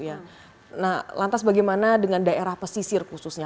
nah lantas bagaimana dengan daerah pesisir khususnya